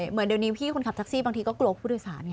เหมือนเดียวนี้พี่คนขับทักทรีย์กลัวผู้โดยสาร